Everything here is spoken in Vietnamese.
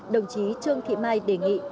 đồng chí trương thị mai đề nghị